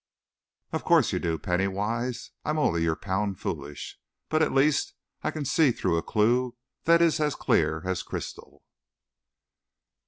"Of course you do, Penny Wise. I'm only your Pound Foolish, but at least, I can see through a clew that is as clear as crystal!"